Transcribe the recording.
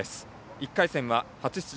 １回戦は、初出場